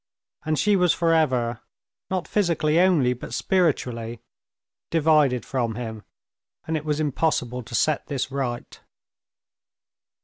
And she was forever—not physically only but spiritually—divided from him, and it was impossible to set this right.